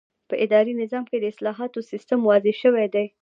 په اداري نظام کې د اصلاحاتو سیسټم واضح شوی دی.